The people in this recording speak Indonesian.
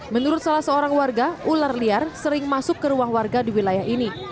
menurut salah seorang warga ular liar sering masuk ke rumah warga di wilayah ini